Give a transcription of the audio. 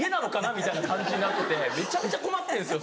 みたいな感じになっててめちゃくちゃ困ってんですよ。